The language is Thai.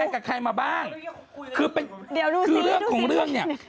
เอาเป็นแฟนกับใครมาบ้าง